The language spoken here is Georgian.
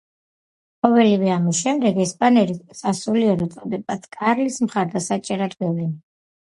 ყოველივე ამის შემდეგ ესპანური სასულიერო წოდებაც კარლის მხარდამჭერად გვევლინება.